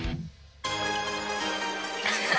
「アハハハ」